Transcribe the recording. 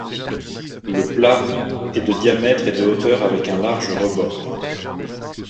Le plat est de diamètre et de hauteur avec un large rebord.